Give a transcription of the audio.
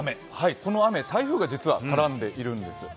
この雨、実は台風が絡んでいるんですよ。